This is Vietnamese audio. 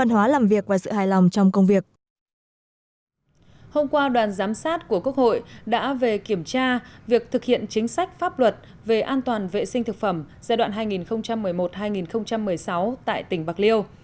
hôm qua đoàn giám sát của quốc hội đã về kiểm tra việc thực hiện chính sách pháp luật về an toàn vệ sinh thực phẩm giai đoạn hai nghìn một mươi một hai nghìn một mươi sáu tại tỉnh bạc liêu